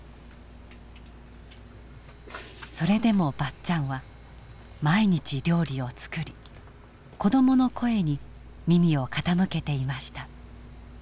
それでもばっちゃんは毎日料理を作り子どもの声に耳を傾けていました。